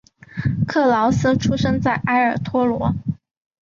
克劳斯出生在埃尔托罗。